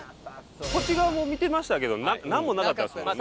こっち側も見てましたけどなんもなかったですもんね。